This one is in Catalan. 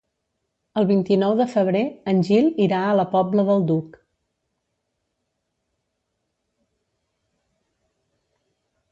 El vint-i-nou de febrer en Gil irà a la Pobla del Duc.